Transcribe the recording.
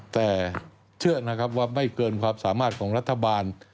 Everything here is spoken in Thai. แต่เชื่อนะครับว่าไม่เกินความสามารถของรัฐบาล